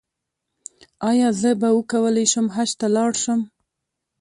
ایا زه به وکولی شم حج ته لاړ شم؟